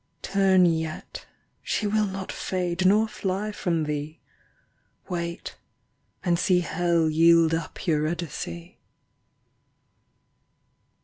Turn yet, she will not fade nor fly from thee; Wait, and see hell yield up Eurydice.